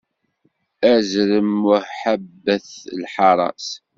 Azrem muhabet lḥaṛa-s.